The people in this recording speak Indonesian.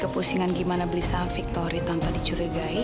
kepusingan gimana beli sama sum victory tanpa dicurigai